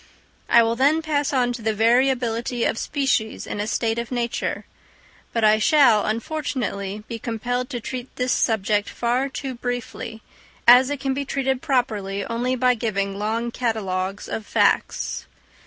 I will then pass on to the variability of species in a state of nature; but I shall, unfortunately, be compelled to treat this subject far too briefly, as it can be treated properly only by giving long catalogues of facts.